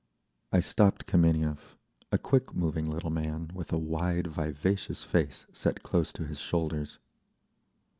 I stopped Kameniev—a quick moving little man, with a wide, vivacious face set close to his shoulders.